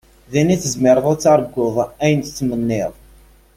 Din i tzemreḍ ad targuḍ ayen tettmenniḍ.